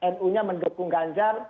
nu nya mendukung ganjar